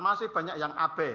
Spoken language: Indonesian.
masih banyak yang ab